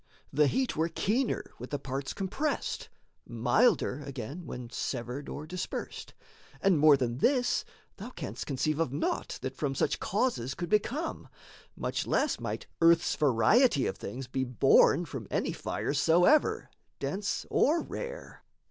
The heat were keener with the parts compressed, Milder, again, when severed or dispersed And more than this thou canst conceive of naught That from such causes could become; much less Might earth's variety of things be born From any fires soever, dense or rare.